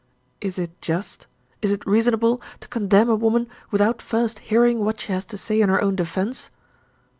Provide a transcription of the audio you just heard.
Is it just, is it reasonable, to condemn a woman without first hearing what she has to say in her own defense?